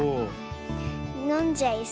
のんじゃいそう。